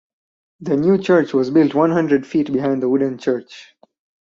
The new church was built one hundred feet behind the wooden church.